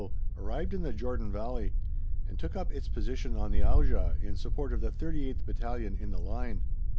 O., arrived in the Jordan Valley, and took up its position on the Auja in support of the 38th Battalion in the line.